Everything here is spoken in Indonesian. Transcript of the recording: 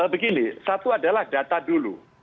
begini satu adalah data dulu